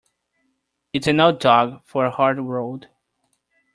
It's an old dog for a hard road.